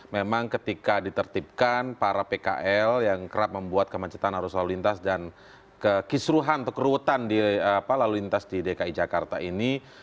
memang ketika ditertibkan para pkl yang kerap membuat kemacetan arus lalu lintas dan kekisruhan atau kerurutan di lalu lintas di dki jakarta ini